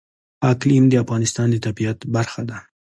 اقلیم د افغانستان د طبیعت برخه ده.